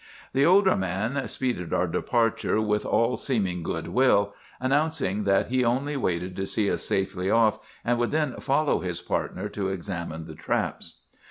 "The older man speeded our departure with all seeming good will, announcing that he only waited to see us safely off, and would then follow his partner to examine the traps.